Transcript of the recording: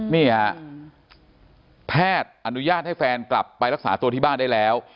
นี่ฮะแพทย์อนุญาตให้แฟนกลับไปรักษาตัวที่บ้านได้แล้ว